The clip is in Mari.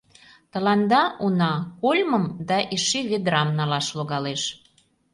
Тыланда, уна, кольмым да эше ведрам налаш логалеш.